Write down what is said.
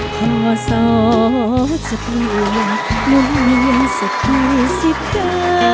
ขอสอบสักอย่างมุ่งเลี้ยงสักทีสิบการ